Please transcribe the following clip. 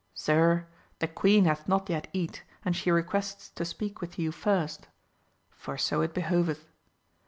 Sir, the queen hath not yet eat, and she requests to speak with you first, for so it behoveth.